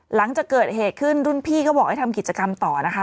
หลังจากเกิดเหตุขึ้นรุ่นพี่ก็บอกให้ทำกิจกรรมต่อนะคะ